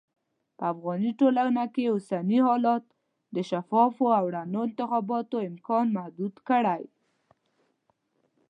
په افغاني ټولنه کې اوسني حالات د شفافو او رڼو انتخاباتو امکان محدود کړی.